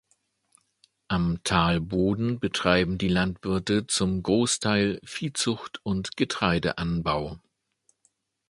Am Talboden betreiben die Landwirte zum Großteil Viehzucht und Getreideanbau.